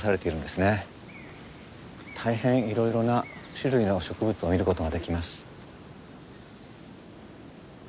大変いろいろな種類の植物を見ることができます。